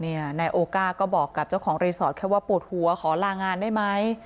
นายโอก้าก็บอกกับเจ้าของรีสอร์ทแค่ว่าปวดหัวขอลางานได้ไหม